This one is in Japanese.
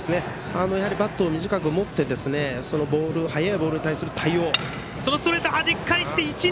バットを短く持って速いボールに対する対応。